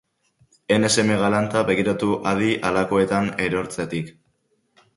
Ene seme galanta, begiratu hadi halakoetan erortzetik.